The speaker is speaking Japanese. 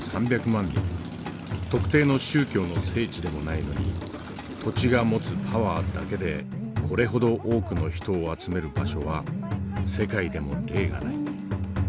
特定の宗教の聖地でもないのに土地が持つパワーだけでこれほど多くの人を集める場所は世界でも例がない。